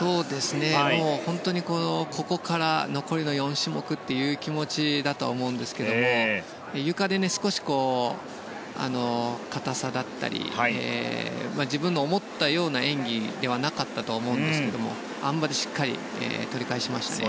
本当に、ここから残りの４種目という気持ちだと思うんですけれどもゆかで少し硬さだったり自分の思ったような演技ではなかったと思うんですけどあん馬でしっかり取り返しましたね。